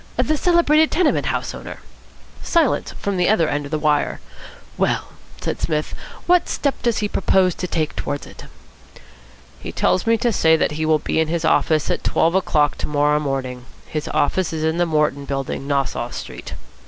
"The celebrated tenement house owner?" Silence from the other end of the wire. "Well," said Psmith, "what step does he propose to take towards it?" "He tells me to say that he will be in his office at twelve o'clock to morrow morning. His office is in the Morton Building, Nassau Street."